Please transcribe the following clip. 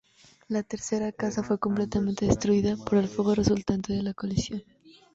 La tercera casa fue completamente destruida por el fuego resultante de la colisión.